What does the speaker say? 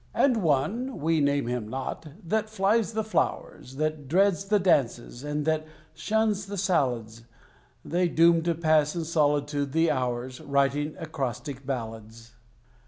And One (we name him not) that flies the flowers, That dreads the dances, and that shuns the salads, They doom to pass in solitude the hours, Writing acrostic ballads.